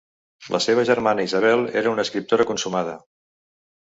La seva germana Isabel era una escriptora consumada.